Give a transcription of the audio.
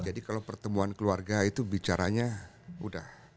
jadi kalau pertemuan keluarga itu bicaranya udah